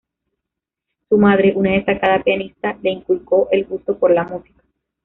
Su madre, una destacada pianista, le inculcó el gusto por la música.